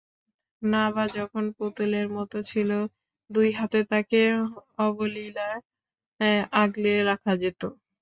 নাবা যখন পুতুলের মতো ছিল, দুই হাতে তাকে অবলীলায় আগলে রাখা যেত।